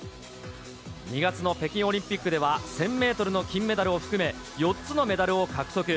２月の北京オリンピックでは、１０００メートルの金メダルを含め、４つのメダルを獲得。